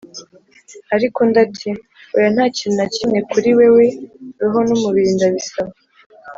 ariko undi ati “oya, nta kintu na kimwe kuri wewe; roho n'umubiri ndabisaba! ”